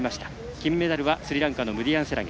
金メダルはスリランカのムディヤンセラゲ